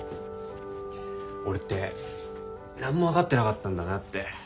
俺って何も分かってなかったんだなって。